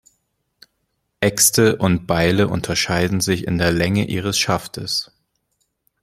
Äxte und Beile unterscheiden sich in der Länge ihres Schaftes.